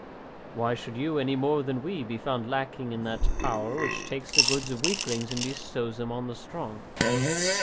Why should you, any more than we, be found lacking in that power which takes the goods of weaklings and bestows them on the strong?"